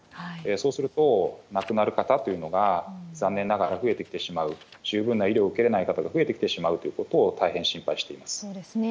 そうすると、亡くなる方というのが残念ながら増えてきてしまう、十分な医療を受けれない方が増えてきてしまうということを大変心そうですね。